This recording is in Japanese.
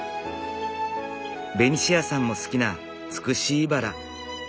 ベニシアさんも好きなツクシイバラ。